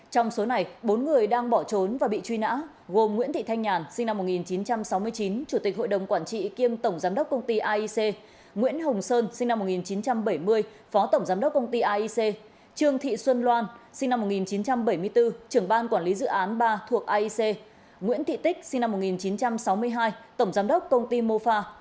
trong số này bốn người đang bỏ trốn và bị truy nã gồm nguyễn thị thanh nhàn sinh năm một nghìn chín trăm sáu mươi chín chủ tịch hội đồng quản trị kiêm tổng giám đốc công ty aic nguyễn hồng sơn sinh năm một nghìn chín trăm bảy mươi phó tổng giám đốc công ty aic trương thị xuân loan sinh năm một nghìn chín trăm bảy mươi bốn trưởng ban quản lý dự án ba thuộc aic nguyễn thị tích sinh năm một nghìn chín trăm sáu mươi hai tổng giám đốc công ty mofa